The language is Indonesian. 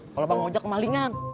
kalau bang hojak kemalingan